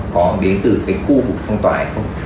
có đến từ cái khu vực phong tỏa hay không